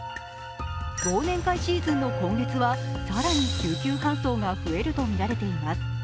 忘年会シーズンの今月は更に救急搬送が増えるとみられています。